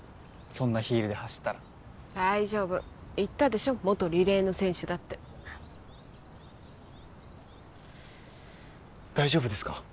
そんなヒールで走ったら大丈夫言ったでしょ元リレーの選手だって大丈夫ですか？